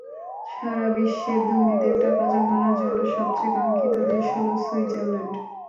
সারা বিশ্বের ধনীদের টাকা জমানোর জন্য সবচেয়ে কাঙ্ক্ষিত দেশ হলো সুইজারল্যান্ড।